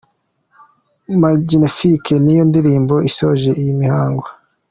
Magnificat niyo ndirimbo isoje iyi mihango.